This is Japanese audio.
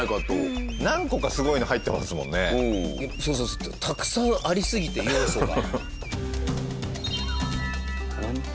そうそうたくさんありすぎて要素が。